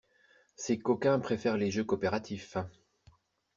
Ces coquins préfèrent les jeux coopératifs.